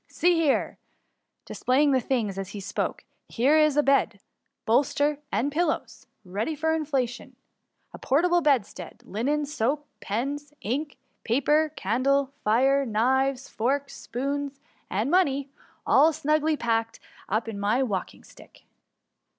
See here !^ displaying the things as he spoke ;^^ here is a bed, bolster, and pillows, ready for inflation ; a portable bedstead, linen, soap, pens, ink, paper, candles, fire, knives, forks, spoons^ and money; all snugly packed up in my walking sdck